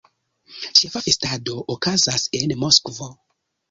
Ĉefa festado okazas en Moskvo.